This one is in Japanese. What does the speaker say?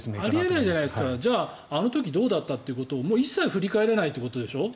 あり得ないじゃないですかじゃあ、あの時どうだったか一切振り返れないということでしょ。